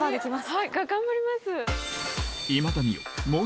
はい頑張ります。